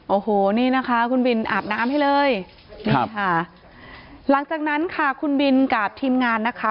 โอ้โหนี่นะคะคุณบินอาบน้ำให้เลยนี่ค่ะหลังจากนั้นค่ะคุณบินกับทีมงานนะคะ